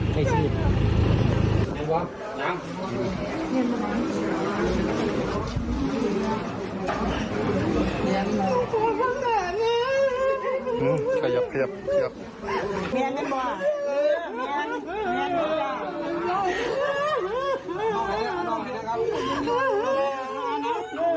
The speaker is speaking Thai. ฆ่าอย่าทำอะไร